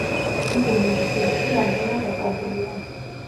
მისი მუნჯი ფილმები ამჟამად დაკარგულია.